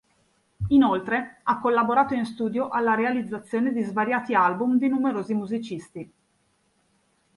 Inoltre ha collaborato in studio alla realizzazione di svariati album di numerosi musicisti.